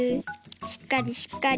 しっかりしっかり。